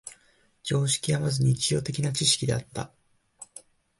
常識はまず日常的な知識であった。